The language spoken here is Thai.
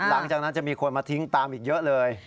หลังจากนั้นจะมีคนมาทิ้งตามอีกเยอะเลย